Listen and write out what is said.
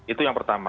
itu yang pertama